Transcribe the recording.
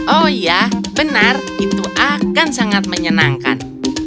oh ya benar itu akan sangat menyenangkan